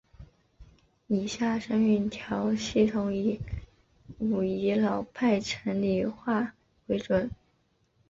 以下声韵调系统以武义老派城里话为准。